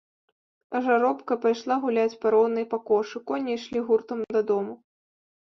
Жаробка пайшла гуляць па роўнай пакошы, коні ішлі гуртам дадому.